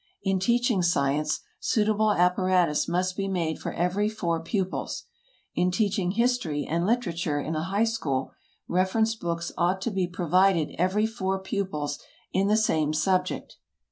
In teaching science, suitable apparatus must be made for every four pupils. In teaching history and literature in a high school, reference books ought to be provided every four pupils in the same subject.